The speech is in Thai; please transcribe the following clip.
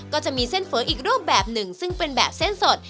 ก็จะมีเส้นเฟ้ออีกรูปแบบหนึ่งซึ่งเป็นแบบเส้นสด